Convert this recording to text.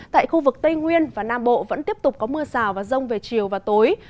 tại khu vực tây nguyên và nam bộ vẫn tiếp tục có mưa rào và rông về chiều và tối